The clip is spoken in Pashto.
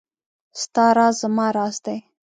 ستا راز زما راز دی .